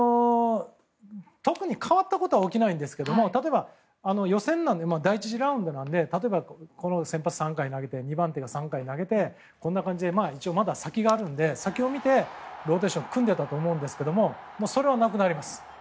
特に変わったことは起きないんですけども例えば、予選なので第１次ラウンドなので例えば、先発３回まで投げて２番手も３回投げてこんな感じで一応まだ先があるので先を見てローテーションを組んでたと思うんですけどもそれはなくなります。